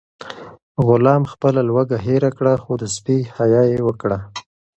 غلام خپله لوږه هېره کړه خو د سپي حیا یې وکړه.